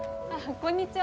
こんにちは。